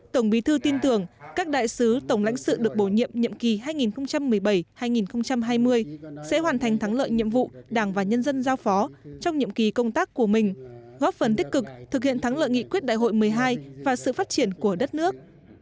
tổng bí thư tin tưởng các đại sứ tổng lãnh sự được bổ nhiệm nhiệm kỳ hai nghìn một mươi bảy hai nghìn hai mươi sẽ hoàn thành thắng lợi nhiệm vụ đảng và nhân dân giao phó trong nhiệm kỳ công tác của mình góp phần tích cực thực hiện thắng lợi nghị quyết đại hội một mươi hai và sự phát triển của đất nước